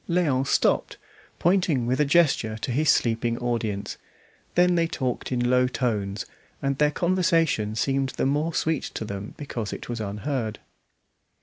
Léon stopped, pointing with a gesture to his sleeping audience; then they talked in low tones, and their conversation seemed the more sweet to them because it was unheard.